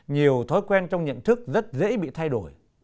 nhiều thói quen trong nhận thức rất dễ bị thay đổi